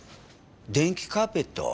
電気カーペット？